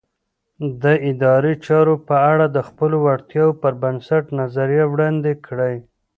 د ادارې چارو په اړه د خپلو وړتیاوو پر بنسټ نظریه وړاندې کړئ.